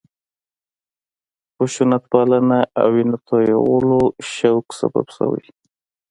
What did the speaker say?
خشونتپالنه او وینه تویولو شوق سبب شوی.